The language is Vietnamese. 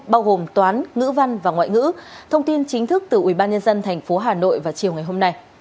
bao gồm toán ngữ văn và ngoại ngữ thông tin chính thức từ ubnd tp hà nội vào chiều ngày hôm nay